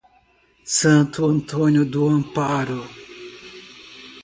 Santo Antônio do Amparo